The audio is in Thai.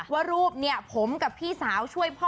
ว่ารูปผมกับพี่สาวช่วยพ่อ